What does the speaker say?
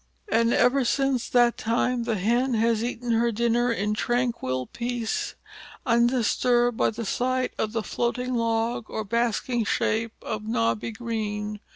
And ever since that time the Hen has eaten her dinner in tranquil peace, undisturbed by the sight of floating log or basking shape of knobby green.